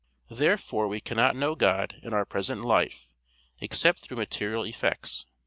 Therefore we cannot know God in our present life except through material effects.